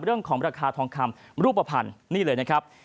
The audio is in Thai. เรื่องของราคาทองคำรูปภัณฑ์นี่เลยนะครับ